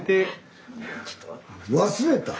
忘れた？